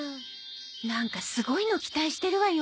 なんかすごいの期待してるわよ。